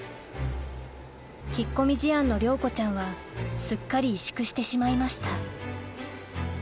引っ込み思案の亮子ちゃんはすっかり萎縮してしまいました